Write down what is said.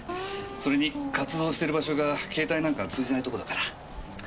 それに活動してる場所が携帯なんか通じないとこだから。